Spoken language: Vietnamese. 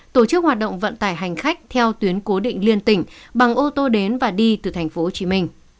tổ chức hoạt động vận tải hành khách theo tuyến cố định liên tỉnh bằng ô tô đến và đi từ tp hcm